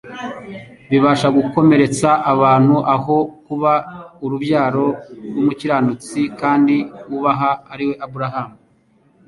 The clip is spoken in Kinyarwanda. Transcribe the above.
bibasha gukomeretsa abantu, aho kuba urubyaro rw'umukiranutsi kandi wubaha ariwe Aburahamu